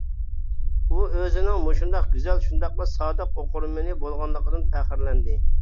ئۇ ئۆزىنىڭ مۇشۇنداق گۈزەل شۇنداقلا سادىق ئوقۇرمىنى بولغانلىقىدىن پەخىرلەندى.